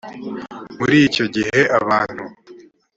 muri icyo gihe abantu